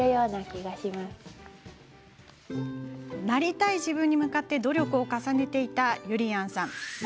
なりたい自分に向かって努力を重ねていた、ゆりやんさん。